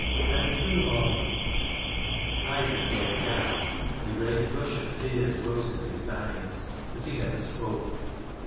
Bless th' Lord !" Isaac gave a gasp, and a great gush of tears rose into his eyes, but he never spoke.